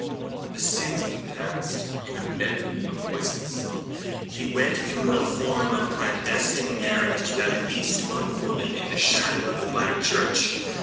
THE SINS OF THE PAST: (In a medley of voices.) He went through a form of clandestine marriage with at least one woman in the shadow of the Black church.